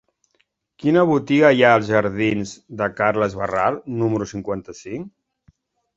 Quina botiga hi ha als jardins de Carles Barral número cinquanta-cinc?